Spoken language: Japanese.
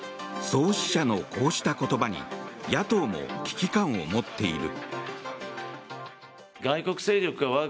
創始者のこうした言葉に野党も危機感を持っている。